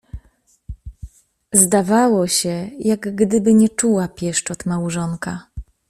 Zdawało się, jak gdyby nie czuła pieszczot małżonka.